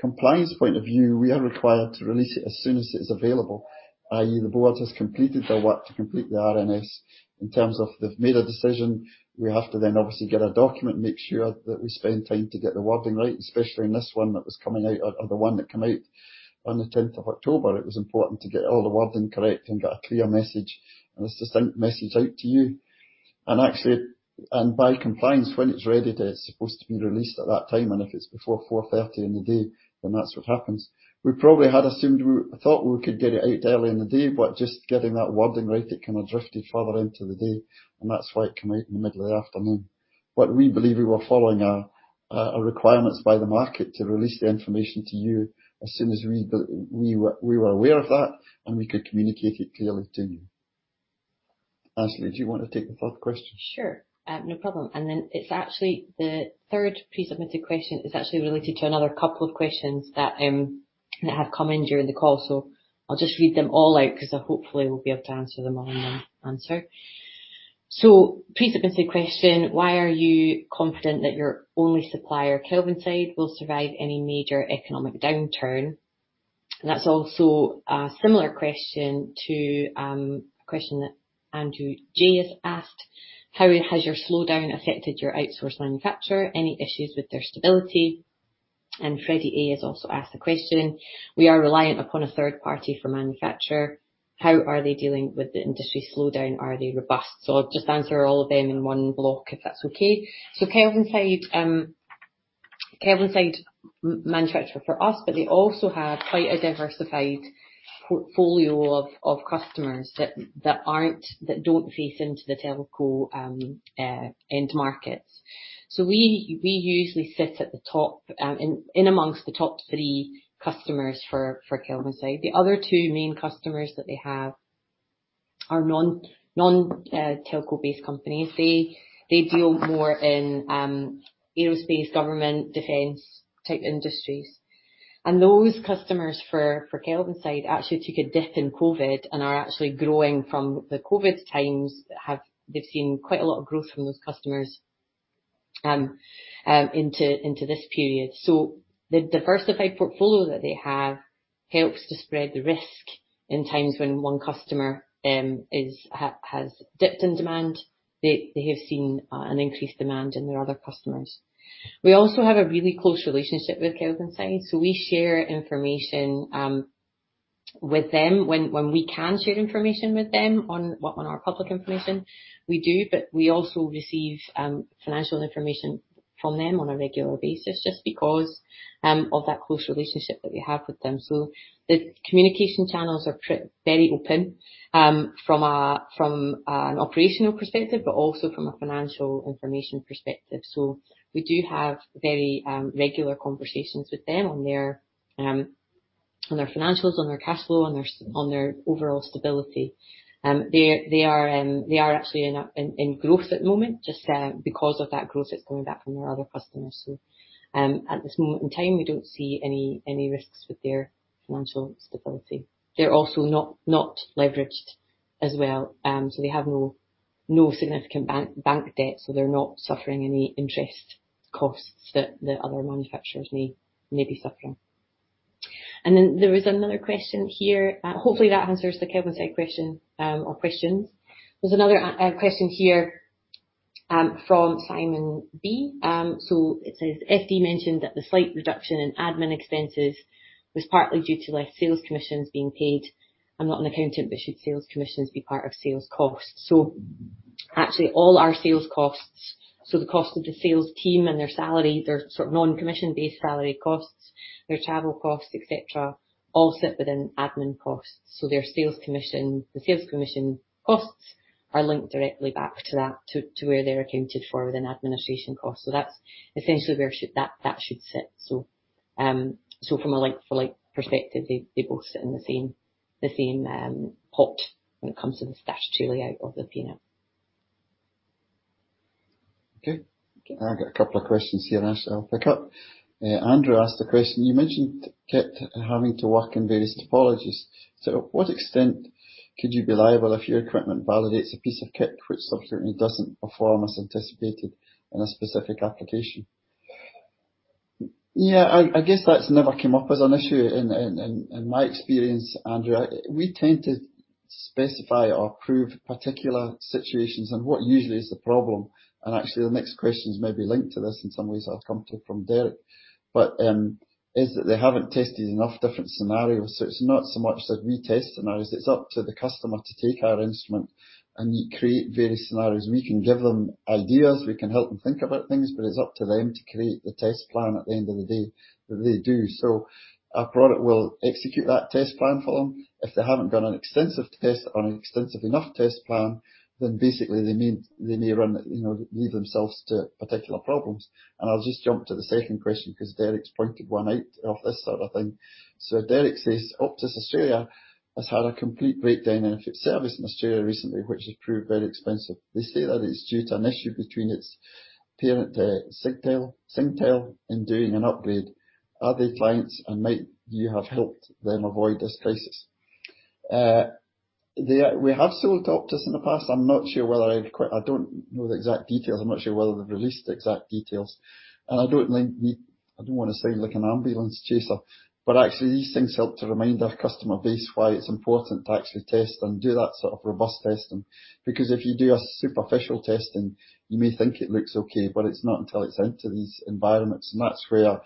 compliance point of view, we are required to release it as soon as it's available, i.e., the board has completed their work to complete the RNS. In terms of they've made a decision, we have to then obviously get a document, make sure that we spend time to get the wording right, especially in this one that was coming out, or, or the one that came out on the 10th of October. It was important to get all the wording correct and get a clear message, and a succinct message out to you. And actually, and by compliance, when it's ready, it's supposed to be released at that time, and if it's before 4:30 P.M. in the day, then that's what happens. We probably had assumed we—I thought we could get it out early in the day, but just getting that wording right, it kind of drifted further into the day, and that's why it came out in the middle of the afternoon. But we believe we were following requirements by the market to release the information to you as soon as we were aware of that, and we could communicate it clearly to you. Ashleigh, do you want to take the fourth question? Sure, no problem. And then it's actually the third pre-submitted question is actually related to another couple of questions that that have come in during the call. So I'll just read them all out because I hopefully will be able to answer them all in one answer. So pre-submitted question: Why are you confident that your only supplier, Kelvinside, will survive any major economic downturn? And that's also a similar question to a question that Andrew J. has asked: How has your slowdown affected your outsourced manufacturer? Any issues with their stability? And Freddy A. has also asked the question: We are reliant upon a third party for manufacture. How are they dealing with the industry slowdown? Are they robust? So I'll just answer all of them in one block, if that's okay. So Kelvinside, Kelvinside manufacture for us, but they also have quite a diversified portfolio of customers that don't face into the telco end markets. So we usually sit at the top among the top three customers for Kelvinside. The other two main customers that they have are non telco-based companies. They deal more in aerospace, government, defense-type industries. And those customers for Kelvinside actually took a dip in COVID and are actually growing from the COVID times, they've seen quite a lot of growth from those customers into this period. So the diversified portfolio that they have helps to spread the risk in times when one customer has dipped in demand, they have seen an increased demand in their other customers. We also have a really close relationship with Kelvinside, so we share information with them. When we can share information with them on our public information, we do, but we also receive financial information from them on a regular basis, just because of that close relationship that we have with them. So the communication channels are very open from an operational perspective, but also from a financial information perspective. So we do have very regular conversations with them on their financials, on their cash flow, on their overall stability. They are actually in growth at the moment, just because of that growth that's coming back from their other customers. So, at this moment in time, we don't see any risks with their financial stability. They're also not leveraged as well. So they have no significant bank debt, so they're not suffering any interest costs that the other manufacturers may be suffering. Then there was another question here. Hopefully, that answers the Kelvinside question, or questions. There's another question here from Simon B. So it says: FD mentioned that the slight reduction in admin expenses was partly due to less sales commissions being paid. I'm not an accountant, but should sales commissions be part of sales costs? So actually, all our sales costs, so the cost of the sales team and their salary, their sort of non-commission-based salary costs, their travel costs, et cetera, all sit within admin costs. So their sales commission, the sales commission costs are linked directly back to that, to where they're accounted for within administration costs. So that's essentially where that should sit. So, so from a like for like perspective, they both sit in the same pot when it comes to the statutory layout of the P&L. Okay. Okay. I've got a couple of questions here, so I'll pick up. Andrew asked the question: You mentioned kit having to work in various topologies. So what extent could you be liable if your equipment validates a piece of kit, which subsequently doesn't perform as anticipated in a specific application? Yeah, I guess that's never come up as an issue in my experience, Andrew. We tend to specify or approve particular situations, and what usually is the problem, and actually the next question is maybe linked to this in some ways, I'll come to from Derek. But is that they haven't tested enough different scenarios, so it's not so much that we test scenarios, it's up to the customer to take our instrument and create various scenarios. We can give them ideas, we can help them think about things, but it's up to them to create the test plan at the end of the day that they do. So our product will execute that test plan for them. If they haven't done an extensive test or an extensive enough test plan, then basically they mean... They may run, you know, lead themselves to particular problems. And I'll just jump to the second question, 'cause Derek's pointed one out of this sort of thing. So Derek says: Optus Australia has had a complete breakdown in its service in Australia recently, which has proved very expensive. They say that it's due to an issue between its parent, Singtel, Singtel, in doing an upgrade. Are they clients, and might you have helped them avoid this crisis? They are... We have sold to Optus in the past. I'm not sure whether I'd. I don't know the exact details. I'm not sure whether they've released the exact details. I don't think I don't wanna sound like an ambulance chaser, but actually, these things help to remind our customer base why it's important to actually test and do that sort of robust testing. Because if you do a superficial testing, you may think it looks okay, but it's not until it's out to these environments. And that's where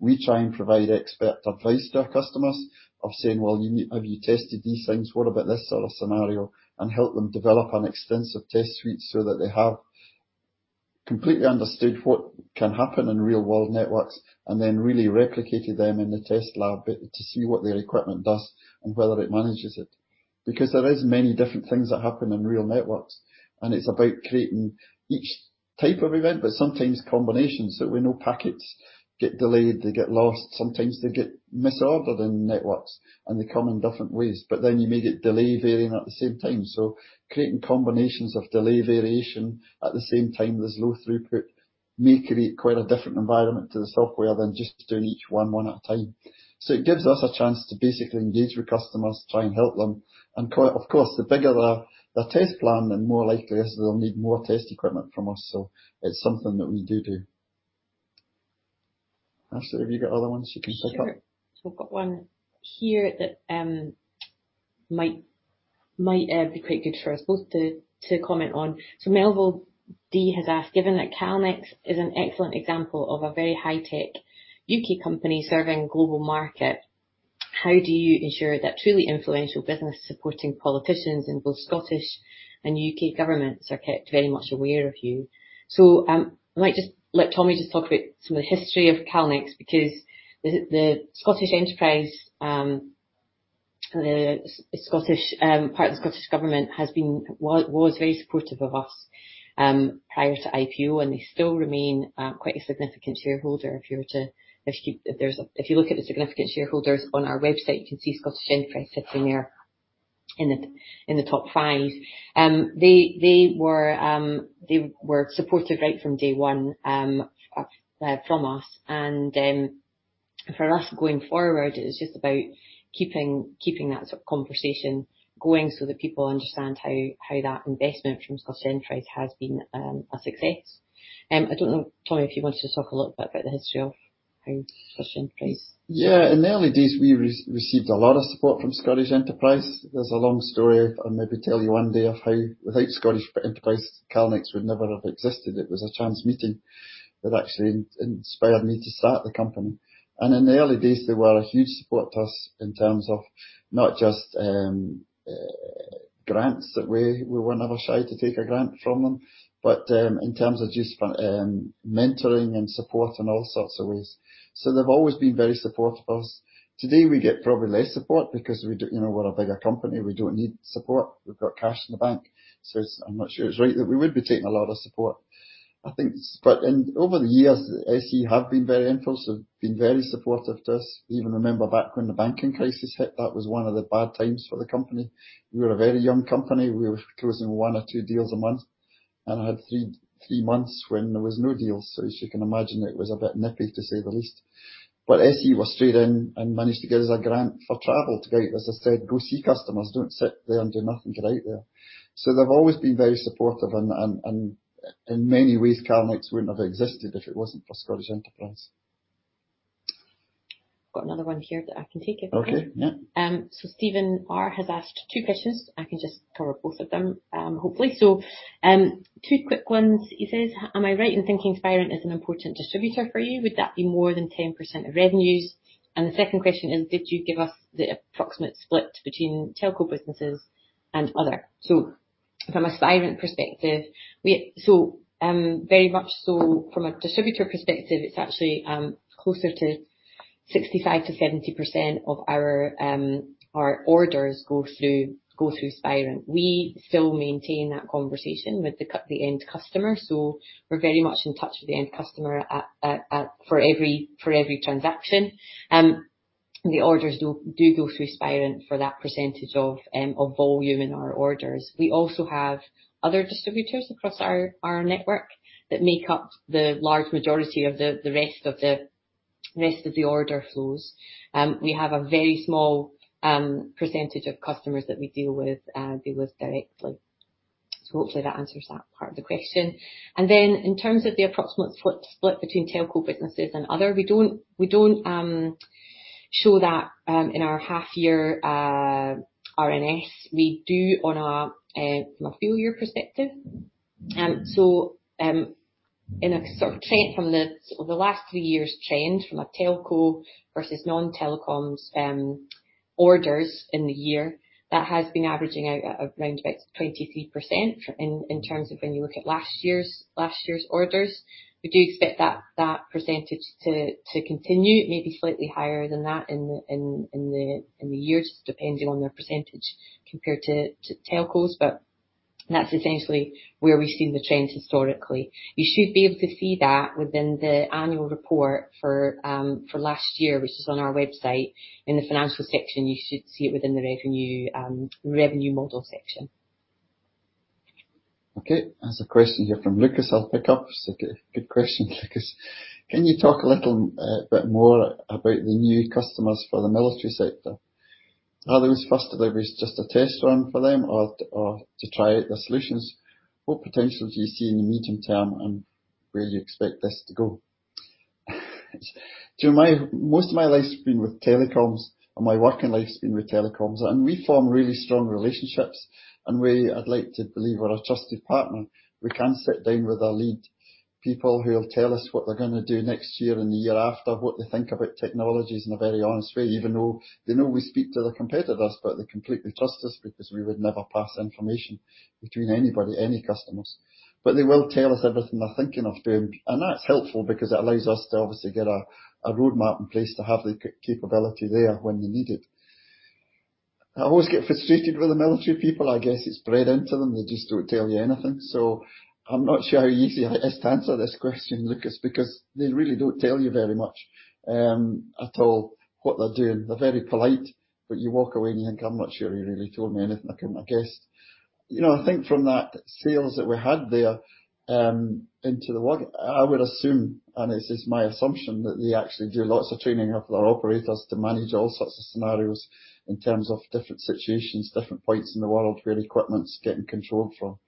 we try and provide expert advice to our customers of saying, "Well, you have you tested these things? What about this sort of scenario?" And help them develop an extensive test suite so that they have completely understood what can happen in real world networks, and then really replicated them in the test lab bit to see what their equipment does and whether it manages it. Because there is many different things that happen in real networks, and it's about creating each type of event, but sometimes combinations. So we know packets get delayed, they get lost, sometimes they get misordered in networks, and they come in different ways, but then you may get delay varying at the same time. So creating combinations of delay variation at the same time as low throughput may create quite a different environment to the software than just doing each one, one at a time. So it gives us a chance to basically engage with customers to try and help them. And quite, of course, the bigger the, the test plan, the more likeliest they'll need more test equipment from us. So it's something that we do, do. Ashleigh, have you got other ones you can pick up? Sure. So I've got one here that might be quite good for us both to comment on. So Melville D. has asked: Given that Calnex is an excellent example of a very high-tech U.K. company serving global market, how do you ensure that truly influential business supporting politicians in both Scottish and U.K. governments are kept very much aware of you? So, I might just let Tommy just talk about some of the history of Calnex, because the Scottish Enterprise, the Scottish part of the Scottish Government was very supportive of us prior to IPO, and they still remain quite a significant shareholder. If you look at the significant shareholders on our website, you can see Scottish Enterprise sitting there in the top five. They were supportive right from day one for us. For us going forward, it is just about keeping that sort of conversation going so that people understand how that investment from Scottish Enterprise has been a success. I don't know, Tommy, if you wanted to talk a little bit about the history of how Scottish Enterprise. Yeah. In the early days, we received a lot of support from Scottish Enterprise. There's a long story I'll maybe tell you one day of how without Scottish Enterprise, Calnex would never have existed. It was a chance meeting that actually inspired me to start the company, and in the early days, they were a huge support to us in terms of not just grants that we were never shy to take a grant from them, but in terms of just mentoring and support in all sorts of ways. So they've always been very supportive of us. Today, we get probably less support because we do... You know, we're a bigger company, we don't need support. We've got cash in the bank, so it's, I'm not sure it's right that we would be taking a lot of support. I think, but over the years, SE have been very influential, been very supportive to us. Even remember back when the banking crisis hit, that was one of the bad times for the company. We were a very young company. We were closing one or two deals a month, and I had three months when there was no deals. So as you can imagine, it was a bit nippy, to say the least. But SE was straight in and managed to get us a grant for travel to get, as I said, "Go see customers. Don't sit there and do nothing, get out there." So they've always been very supportive and in many ways, Calnex wouldn't have existed if it wasn't for Scottish Enterprise. I've got another one here that I can take if you like. Okay, yeah. So Stephen R has asked two questions. I can just cover both of them, hopefully. So, two quick ones. He says, "Am I right in thinking Spirent is an important distributor for you? Would that be more than 10% of revenues?" And the second question is: "Did you give us the approximate split between telco businesses and other?" So from a Spirent perspective, very much so from a distributor perspective, it's actually closer to 65%-70% of our orders go through Spirent. We still maintain that conversation with the end customer, so we're very much in touch with the end customer and for every transaction. The orders do go through Spirent for that percentage of volume in our orders. We also have other distributors across our network that make up the large majority of the rest of the order flows. We have a very small percentage of customers that we deal with directly. So hopefully that answers that part of the question. And then, in terms of the approximate split between telco businesses and other, we don't show that in our half year RNS. We do on a from a full year perspective. So, in a sort of trend from over the last three years, trend from a telco versus non-telecoms orders in the year, that has been averaging out at around about 23% in terms of when you look at last year's orders. We do expect that percentage to continue, maybe slightly higher than that in the years, depending on their percentage compared to telcos, but that's essentially where we've seen the trend historically. You should be able to see that within the annual report for last year, which is on our website. In the financial section, you should see it within the revenue model section. Okay, there's a question here from Lucas, I'll pick up. It's a good question, Lucas. "Can you talk a little, bit more about the new customers for the military sector? Are those first deliveries just a test run for them or, or to try out the solutions? What potential do you see in the medium term, and where do you expect this to go?" So most of my life's been with telecoms, and my working life's been with telecoms, and we form really strong relationships, and we, I'd like to believe, we're a trusted partner. We can sit down with our lead people who will tell us what they're gonna do next year and the year after, what they think about technologies in a very honest way, even though they know we speak to their competitors, but they completely trust us because we would never pass information between anybody, any customers. But they will tell us everything they're thinking of doing, and that's helpful because it allows us to obviously get a roadmap in place to have the capability there when you need it. I always get frustrated with the military people. I guess it's bred into them. They just don't tell you anything, so I'm not sure how easy it is to answer this question, Lucas, because they really don't tell you very much at all, what they're doing. They're very polite, but you walk away and you think, "I'm not sure he really told me anything, I guess." You know, I think from that sales that we had there, into the what... I would assume, and this is my assumption, that they actually do lots of training of their operators to manage all sorts of scenarios in terms of different situations, different points in the world where equipment's getting controlled from.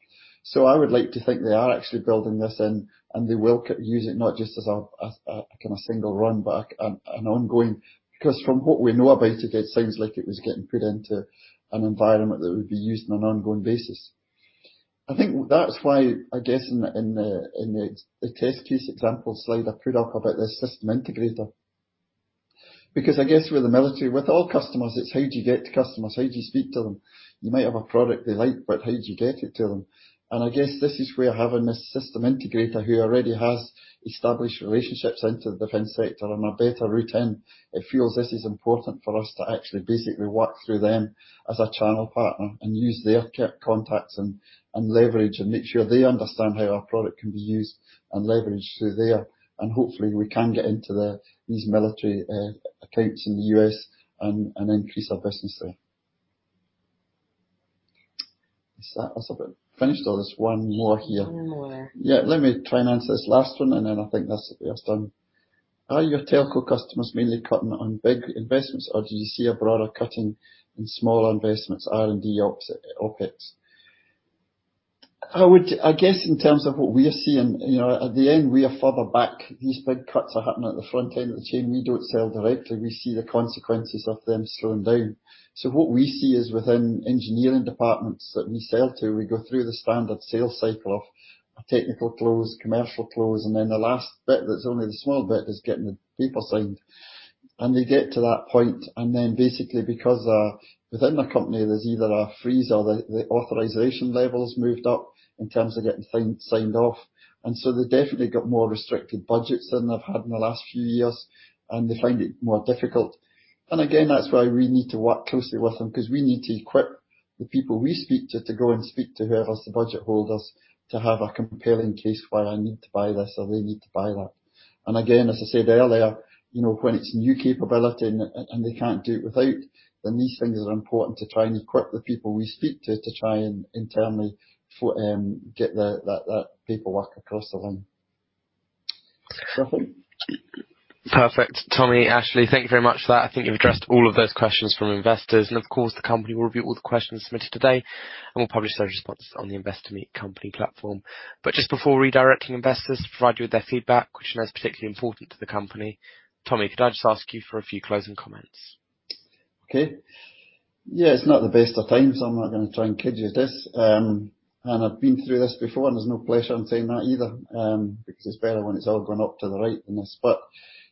So I would like to think they are actually building this in, and they will use it not just as a kind of single run back, an ongoing... Because from what we know about it, it sounds like it was getting put into an environment that would be used on an ongoing basis. I think that's why, I guess in the test case example slide I put up about the system integrator. Because I guess with the military, with all customers, it's how do you get to customers? How do you speak to them? You might have a product they like, but how do you get it to them? And I guess this is where having this system integrator who already has established relationships into the defense sector and a better route in, it feels this is important for us to actually basically work through them as our channel partner and use their kept contacts and leverage and make sure they understand how our product can be used and leveraged through there, and hopefully, we can get into these military accounts in the U.S. and increase our business there. Is that us about finished, or there's one more here? One more there. Yeah, let me try and answer this last one, and then I think that's us done. Are your telco customers mainly cutting on big investments, or do you see a broader cutting in smaller investments, R&D, ops, OpEx? I would, I guess, in terms of what we are seeing, you know, at the end, we are further back. These big cuts are happening at the front end of the chain. We don't sell directly. We see the consequences of them slowing down. So what we see is, within engineering departments that we sell to, we go through the standard sales cycle of a technical close, commercial close, and then the last bit, that's only the small bit, is getting the paper signed. They get to that point, and then basically, because within the company, there's either a freeze or the authorization level has moved up in terms of getting things signed off. So they definitely got more restricted budgets than they've had in the last few years, and they find it more difficult. Again, that's why we need to work closely with them, 'cause we need to equip the people we speak to, to go and speak to whoever is the budget holders, to have a compelling case why I need to buy this or they need to buy that. Again, as I said earlier, you know, when it's new capability and they can't do it without, then these things are important to try and equip the people we speak to, to try and internally get that paperwork across the line. Is there another one? Perfect. Tommy, Ashleigh, thank you very much for that. I think you've addressed all of those questions from investors, and of course, the company will review all the questions submitted today, and we'll publish those responses on the Investor Meet Company platform. But just before redirecting investors to provide you with their feedback, which I know is particularly important to the company, Tommy, could I just ask you for a few closing comments? Okay. Yeah, it's not the best of times. I'm not gonna try and kid you this, and I've been through this before, and there's no pleasure in saying that either, because it's better when it's all going up to the right than this. But,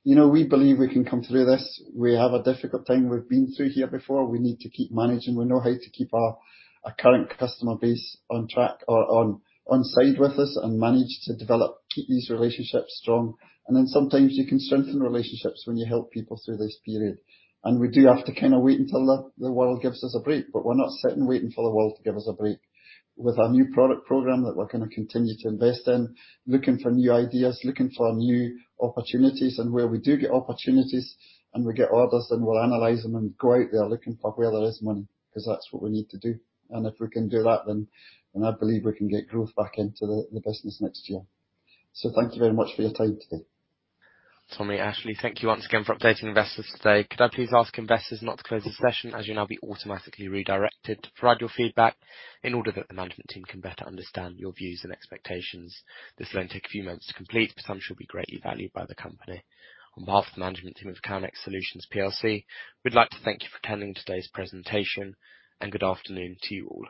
you know, we believe we can come through this. We have a difficult time. We've been through here before. We need to keep managing. We know how to keep our current customer base on track or on side with us and manage to develop, keep these relationships strong. And then sometimes you can strengthen relationships when you help people through this period. And we do have to kind of wait until the world gives us a break, but we're not sitting, waiting for the world to give us a break. With our new product program that we're gonna continue to invest in, looking for new ideas, looking for new opportunities, and where we do get opportunities and we get orders, then we'll analyze them and go out there looking for where there is money, 'cause that's what we need to do. If we can do that, then I believe we can get growth back into the business next year. Thank you very much for your time today. Tommy, Ashleigh, thank you once again for updating investors today. Could I please ask investors not to close the session, as you'll now be automatically redirected to provide your feedback in order that the management team can better understand your views and expectations. This will only take a few moments to complete, but some should be greatly valued by the company. On behalf of the management team of Calnex Solutions PLC, we'd like to thank you for attending today's presentation, and good afternoon to you all.